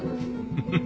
フフフ。